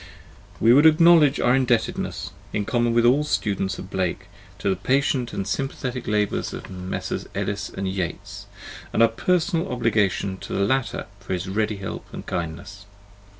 We would acknowledge our indebtedness, in common with all students of Blake, to the patient and sympathetic labours of Messrs. Ellis and Yeats, and our personal obligation to the latter for his ready help and kindness.